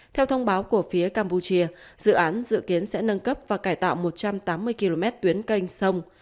theo thông báo của phía campuchia dự án dự kiến sẽ nâng cấp và cải tạo một trăm tám mươi km tuyến canh sông